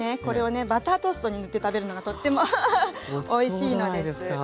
これをねバタートーストに塗って食べるのがとってもアハハおいしいのです。